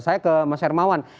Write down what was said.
saya ke mas hermawan